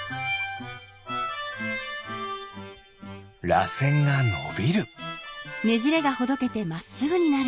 らせんがのびる。